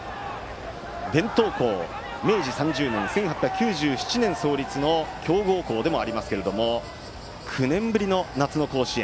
伝統校、明治３０年１８９７年創立の強豪校ですが９年ぶりの夏の甲子園。